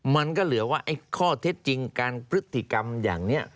มันก็เหลือว่าไอ้ข้อเท็จจริงการพฤติกรรมอย่างนี้